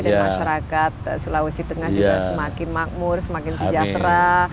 masyarakat sulawesi tengah juga semakin makmur semakin sejahtera